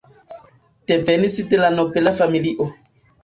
Devenis de nobela familio.